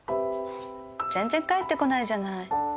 全然帰って来ないじゃない。